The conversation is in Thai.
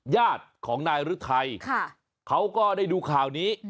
ญาติของนายฤทัยเขาก็ได้ดูข่าวนี้